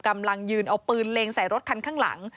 กำลังยืนเอาปืนเล็งใส่รถคันข้างหลัง